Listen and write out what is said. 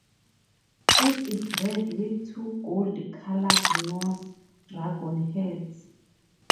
It is red with two gold-colored Norse dragon heads.